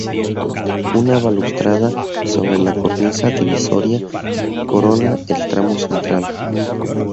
Una balaustrada sobre la cornisa divisoria corona el tramo central.